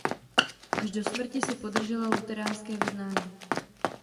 Až do smrti si podržela luteránské vyznání.